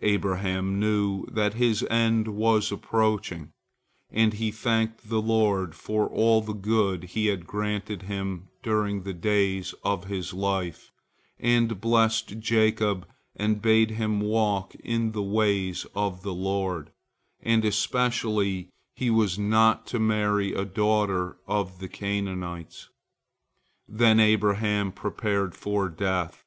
Abraham knew that his end was approaching, and he thanked the Lord for all the good He had granted him during the days of his life, and blessed Jacob and bade him walk in the ways of the Lord, and especially he was not to marry a daughter of the Canaanites. Then Abraham prepared for death.